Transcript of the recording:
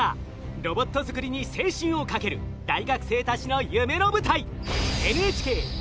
ロボット作りに青春をかける大学生たちの夢の舞台。